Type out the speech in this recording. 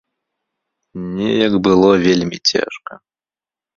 Неяк было вельмі цяжка.